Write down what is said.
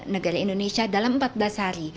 negara indonesia dalam empat belas hari